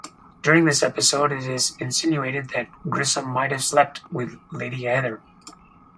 During this episode, it is insinuated that Grissom might have slept with Lady Heather.